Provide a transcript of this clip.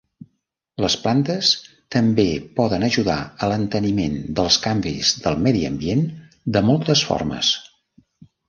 Les plantes també poden ajudar a l'enteniment dels canvis del medi ambient de moltes formes.